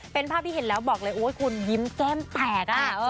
เป็นภาพที่เห็นแล้วบอกเลยโอ๊ยคุณยิ้มแก้มแตก